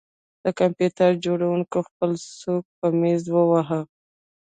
د کمپیوټر جوړونکي خپل سوک په میز وواهه